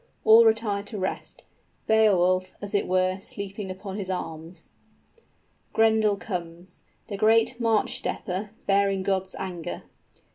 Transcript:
All retire to rest, Beowulf, as it were, sleeping upon his arms._ _Grendel comes, the great march stepper, bearing God's anger.